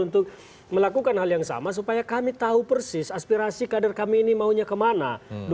untuk melakukan hal yang sama supaya kami tahu persis aspirasi kader kami ini maunya kemana